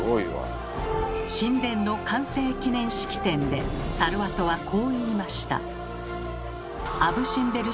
神殿の完成記念式典でサルワトはこう言いました。